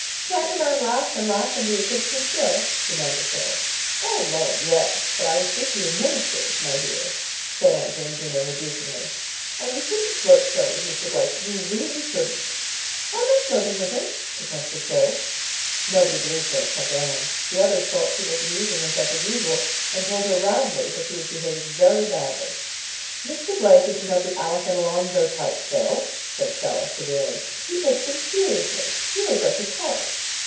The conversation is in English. "Can't a man laugh and laugh and be a Christian still?" demanded Phil. "Oh, men—yes. But I was speaking of ministers, my dear," said Aunt Jamesina rebukingly. "And you shouldn't flirt so with Mr. Blake—you really shouldn't." "I'm not flirting with him," protested Phil. Nobody believed her, except Anne. The others thought she was amusing herself as usual, and told her roundly that she was behaving very badly. "Mr. Blake isn't of the Alec and Alonzo type, Phil," said Stella severely. "He takes things seriously. You may break his heart."